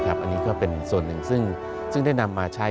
อันนี้ก็เป็นส่วนหนึ่งซึ่งได้นำมาใช้